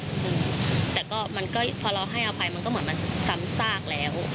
อืมแต่ก็มันก็พอเราให้เอาไปมันก็เหมือนมันซ้ำซากแล้ว